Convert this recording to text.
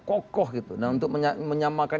kokoh nah untuk menyamakan